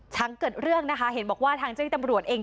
หลังเกิดเรื่องนะคะเห็นบอกว่าทางเจ้าที่ตำรวจเอง